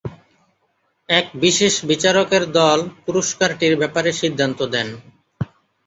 এক বিশেষ বিচারকের দল পুরস্কারটির ব্যাপারে সিদ্ধান্ত দেন।